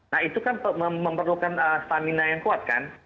nah itu kan memerlukan stamina yang kuat kan